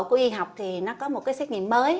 của y học thì nó có một cái xét nghiệm mới